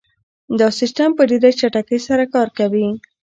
دا سیسټم په ډېره چټکۍ سره کار کوي.